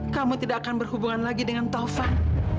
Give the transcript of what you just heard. kamu tidak akan berhubungan lagi dengan taufan